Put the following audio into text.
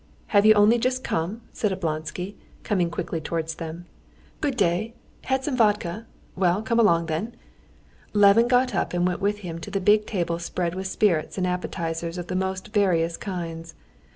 "Have you only just come?" said Oblonsky, coming quickly towards them. "Good day. Had some vodka? Well, come along then." Levin got up and went with him to the big table spread with spirits and appetizers of the most various kinds.